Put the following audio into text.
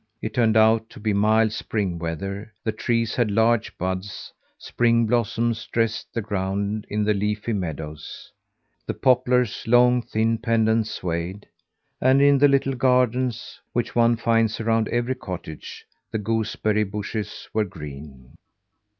It turned out to be mild spring weather; the trees had large buds; spring blossoms dressed the ground in the leafy meadows; the poplars' long, thin pendants swayed; and in the little gardens, which one finds around every cottage, the gooseberry bushes were green.